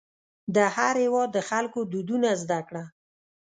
د هر هېواد د خلکو دودونه زده کړه.